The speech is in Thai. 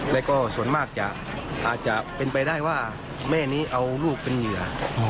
แล้วก็ส่วนมากจะอาจจะเป็นไปได้ว่าแม่นี้เอาลูกเป็นเหยื่อ